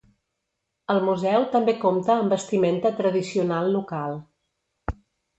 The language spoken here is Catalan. El museu també compta amb vestimenta tradicional local.